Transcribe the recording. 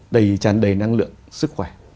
đầy tràn đầy năng lượng sức khỏe